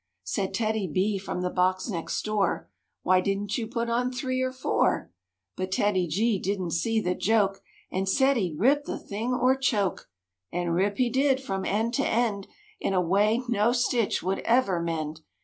Said TEDDY—B from the box next door, " Why didn't you put on three or four ?" But TEDDY—G didn't see the joke And said he'd rip the thing or choke. And rip he did from end to end In a way no stitch would ever mend.